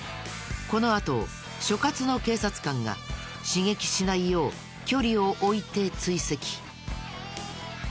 このあと所轄の警察官が刺激しないよう距離を置いて追跡。